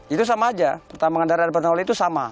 itu sama aja pertambangan darat di peta awal itu sama